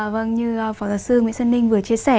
vâng ạ như phó giáo sư nguyễn xuân ninh vừa chia sẻ